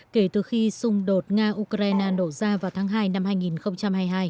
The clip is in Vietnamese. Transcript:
kể từ khi xung đột nga ukraine nổ ra vào tháng hai năm hai nghìn hai mươi hai